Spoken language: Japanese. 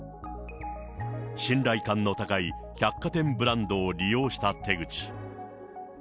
信頼感の高い百貨店ブランドを利用した手口。